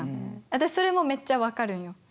私それもめっちゃ分かるんよ。